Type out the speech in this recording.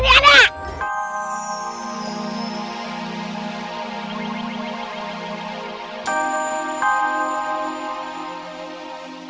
aduh aduh aduh aduh